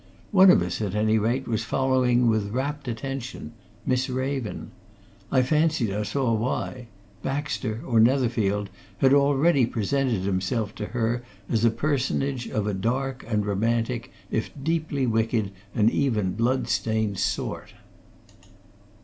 One of us, at any rate, was following him with rapt attention Miss Raven. I fancied I saw why Baxter, or Netherfield, had already presented himself to her as a personage of a dark and romantic, if deeply wicked and even blood stained sort.